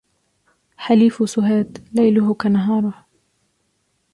حليف سهاد ليله كنهاره